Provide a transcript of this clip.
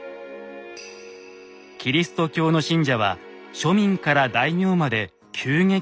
キリスト教の信者は庶民から大名まで急激に拡大。